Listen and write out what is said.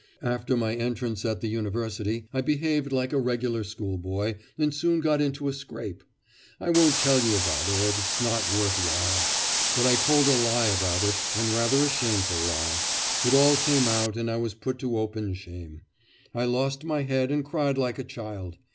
After my entrance at the university I behaved like a regular schoolboy, and soon got into a scrape. I won't tell you about it; it's not worth while. But I told a lie about it, and rather a shameful lie. It all came out, and I was put to open shame. I lost my head and cried like a child.